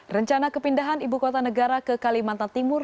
rencana kepindahan ibu kota negara ke kalimantan timur